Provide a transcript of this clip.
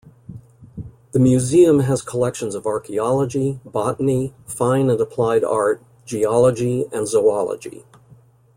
The museum has collections of archaeology, botany, fine and applied art, geology, and zoology.